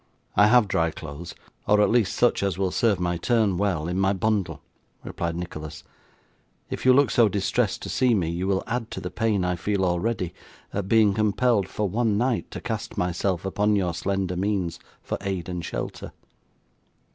'I have dry clothes, or at least such as will serve my turn well, in my bundle,' replied Nicholas. 'If you look so distressed to see me, you will add to the pain I feel already, at being compelled, for one night, to cast myself upon your slender means for aid and shelter.